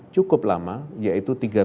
cukup lama yaitu tiga belas